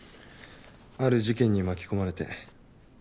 ある事件に巻き込まれて。